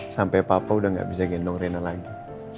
sampai papa udah gak bisa gendong rena lagi